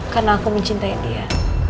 karena aku mencintai dia